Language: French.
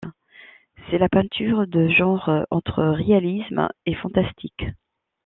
C’est la peinture de genre, entre réalisme et fantastique.